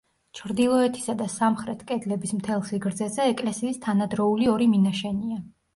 ჩრდილოეთისა და სამხრეთ კედლების მთელ სიგრძეზე ეკლესიის თანადროული ორი მინაშენია.